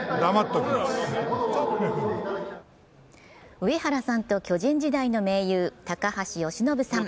上原さんと巨人時代の盟友・高橋由伸さん。